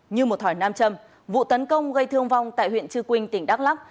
như một thỏi nam châm vụ tấn công gây thương vong tại huyện trư quynh tỉnh đắk lắc